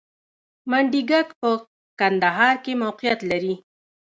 منډیګک په کندهار کې موقعیت لري